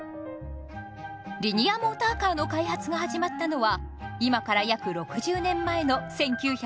リニアモーターカーの開発が始まったのは今から約６０年前の１９６２年。